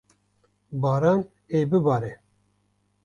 Baran ê bibare.